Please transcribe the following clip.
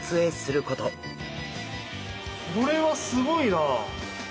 これはすごいな！